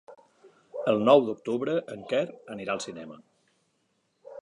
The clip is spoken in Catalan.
El nou d'octubre en Quer anirà al cinema.